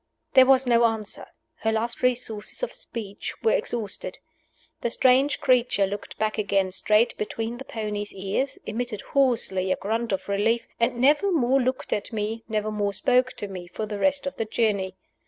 There was no answer. Her last resources of speech were exhausted. The strange creature looked back again straight between the pony's ears, emitted hoarsely a grunt of relief, and never more looked at me, never more spoke to me, for the rest of the journey.